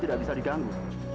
tidak bisa diganggu